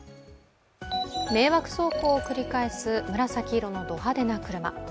迷惑走行を繰り返す紫色のド派手な車。